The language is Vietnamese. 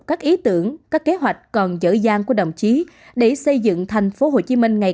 phát triển ý tưởng các kế hoạch còn dở dàng của đồng chí để xây dựng thành phố hồ chí minh ngày